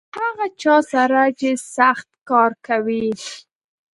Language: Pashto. له هغه چا سره چې سخت کار کوي .